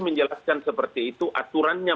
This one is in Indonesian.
menjelaskan seperti itu aturannya